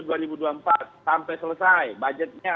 sampai selesai budgetnya